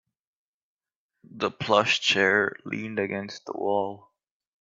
The plush chair leaned against the wall.